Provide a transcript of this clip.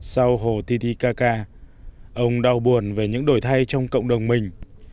sau hồ titicaca ông đau buồn về những đổi thay trong cộng đồng mình